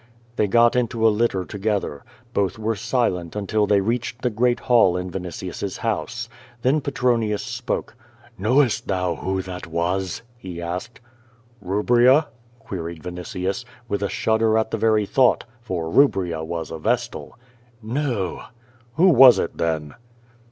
They got into a litter together. Both were silent until they reaclied the great hall in Vinitius's house. Then Pe tronius spoke. "Knowost thou who that was?" lie asked. "Kubria?" queried Vinitius, with a shudder at the very thought, for Uubria was a Vestal. "No." *^Vho was it, then?"